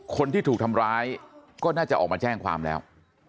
คนที่ถูกทำร้ายก็น่าจะออกมาแจ้งความแล้ว